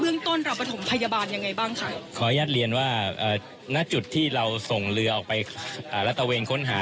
เมื่องต้นระบสมพยาบาลยังไงบ้างค่ะ